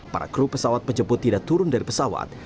para kru pesawat menjemput tidak turun dari pesawat